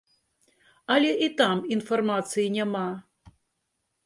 Але і там інфармацыі няма!